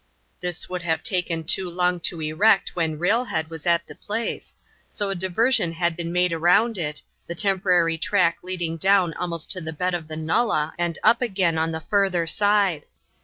This would have taken too long to erect when railhead was at the place, so a diversion had been made round it, the temporary track leading down almost to the bed of the nullah and up again on the further side.